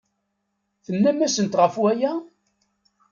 Tennam-asent ɣef waya?